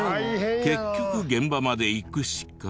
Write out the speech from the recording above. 結局現場まで行くしか。